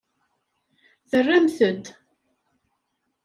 Terramt-d.